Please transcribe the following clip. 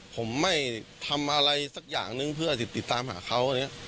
ผมไม่ทำอะไรสักอย่างนึงเพื่อติดตามหาเขา